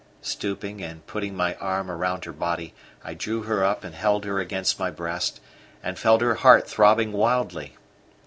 Stooping and putting my arm round her body, I drew her up and held her against my breast, and felt her heart throbbing wildly.